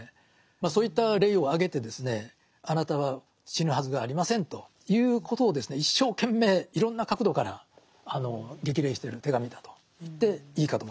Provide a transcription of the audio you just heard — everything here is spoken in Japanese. そういった例を挙げてですねあなたは死ぬはずがありませんということをですね一生懸命いろんな角度から激励してる手紙だと言っていいかと思いますね。